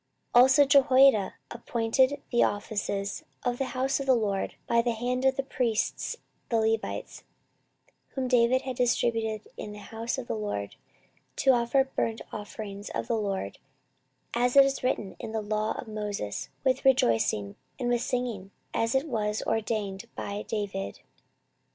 14:023:018 Also Jehoiada appointed the offices of the house of the LORD by the hand of the priests the Levites, whom David had distributed in the house of the LORD, to offer the burnt offerings of the LORD, as it is written in the law of Moses, with rejoicing and with singing, as it was ordained by David.